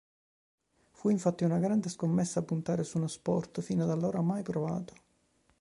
Fu infatti una grande scommessa puntare su uno sport fino ad allora mai provato.